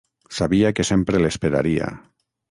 Sabia que sempre l'esperaria...